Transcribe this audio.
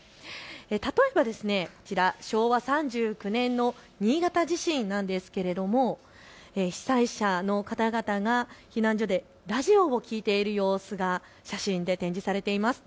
例えばこちら、昭和３９年の新潟地震なんですが被災者の方々が避難所でラジオを聞いている様子が写真で展示されています。